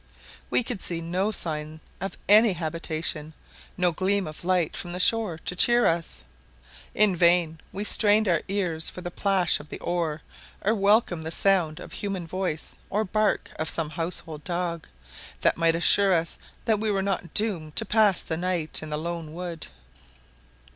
We could see no sign of any habitation, no gleam of light from the shore to cheer us. In vain we strained our ears for the plash of the oar, or welcome sound of the human voice, or bark of some household dog, that might assure us we were not doomed to pass the night in the lone wood.